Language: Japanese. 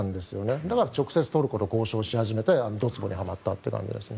だから直接トルコと交渉をし始めてどつぼにはまったということですね。